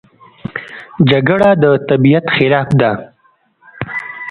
جګړه د طبیعت خلاف ده